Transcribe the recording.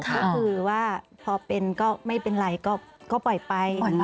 ก็คือว่าพอเป็นก็ไม่เป็นไรก็ปล่อยไป